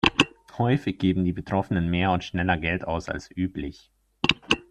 Häufig geben die Betroffenen mehr und schneller Geld aus als üblich.